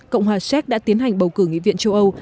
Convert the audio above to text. cộng hòa séc đã tiến hành bầu cử nghị viện châu âu